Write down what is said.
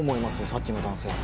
さっきの男性。